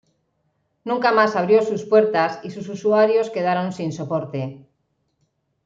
Nunca más abrió sus puertas y sus usuarios quedaron sin soporte.